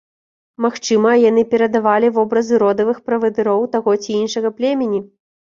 Магчыма, яны перадавалі вобразы родавых правадыроў таго ці іншага племені.